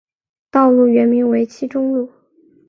道路原名为七中路。